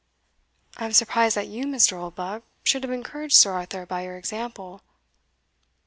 "I am surprised that you, Mr. Oldbuck, should have encouraged Sir Arthur by your example."